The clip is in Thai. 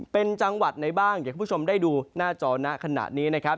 เป็นจังหวัดไหนบ้างอยากให้คุณผู้ชมได้ดูหน้าจอนะขณะนี้นะครับ